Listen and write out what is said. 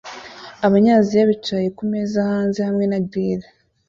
Abanyaziya bicaye kumeza hanze hamwe na grill